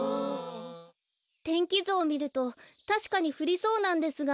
天気ずをみるとたしかにふりそうなんですが。